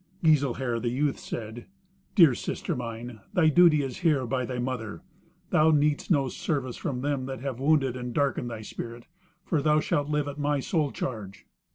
Giselher the youth said, "Dear sister mine, thy duty is here by thy mother. Thou need'st no service from them that have wounded and darkened thy spirit, for thou shalt live at my sole charge."